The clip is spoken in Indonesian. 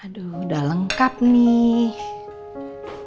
aduh udah lengkap nih